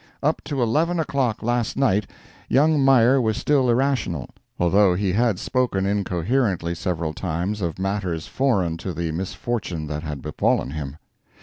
Up to eleven o'clock last night, young Meyer was still irrational, although he had spoken incoherently several times of matters foreign to the misfortune that had befallen him.